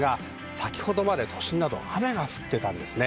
先ほどまで雨が降っていたんですね。